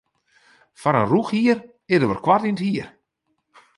Foar in rûchhier is er wat koart yn it hier.